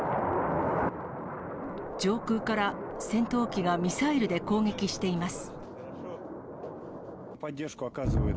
上空から戦闘機がミサイルで攻撃しています。